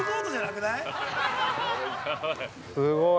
すごい。